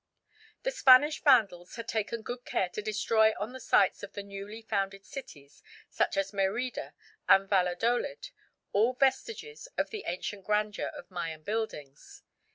The Spanish vandals had taken good care to destroy on the sites of the newly founded cities, such as Merida and Valladolid, all vestiges of the ancient grandeur of Mayan buildings.